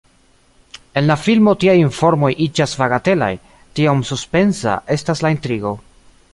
En la filmo tiaj informoj iĝas bagatelaj, tiom suspensa estas la intrigo.